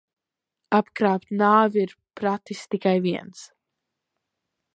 Apkrāpt nāvi ir pratis tikai viens.